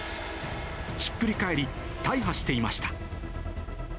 ひっくり返り、大破していました。